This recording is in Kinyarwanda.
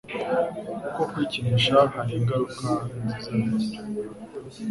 kuko Kwikinisha hari ingaruka nziza bigira